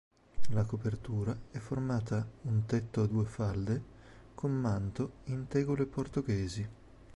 La copertura è formata un tetto a due falde, con manto in tegole portoghesi.